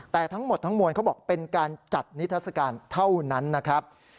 แต่ทั้งหมดทั้งมวลเขาบอกเป็นการจัดนิทัศกาลเท่านั้นนะครับ